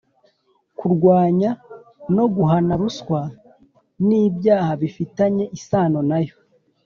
kurwanya no guhana ruswa n'ibyaha bifitanye isano na yo.